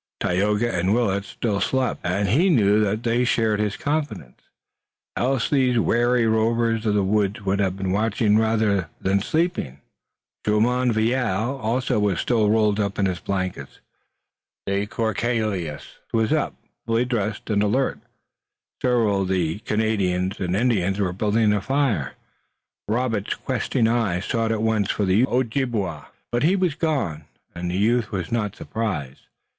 Tayoga and Willet still slept, and he knew that they shared his confidence, else these wary rovers of the woods would have been watching rather than sleeping. Jumonville also was still rolled in his blankets, but de Courcelles was up, fully dressed, and alert. Several of the Canadians and Indians were building a fire. Robert's questing eye sought at once for the Ojibway, but he was gone, and the youth was not surprised.